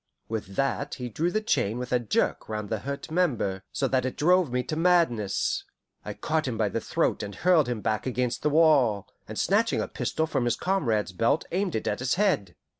With that he drew the chain with a jerk round the hurt member, so that it drove me to madness. I caught him by the throat and hurled him back against the wall, and snatching a pistol from his comrade's belt aimed it at his head.